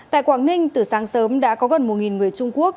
tại quảng ninh từ sáng sớm đã có gần một người trung quốc